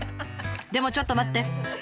でもちょっと待って。